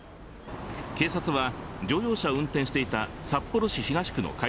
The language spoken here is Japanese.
警察は乗用車を運転していた札幌市東区の